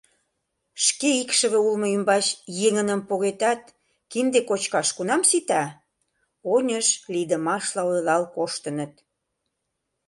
Шке икшыве улмо ӱмбач еҥыным погетат, кинде кочкаш кунам сита! — оньыш лийдымашла ойлал коштыныт.